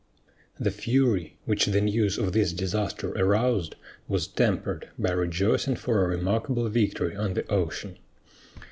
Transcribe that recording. The fury which the news of this disaster aroused was tempered by rejoicing for a remarkable victory on the ocean.